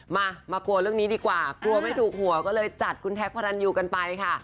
มามากลัวเรื่องนี้ดีกว่ากลัวไม่ถูกหัวก็เลยจัดคุณแท็กพระรันยูกันไปค่ะ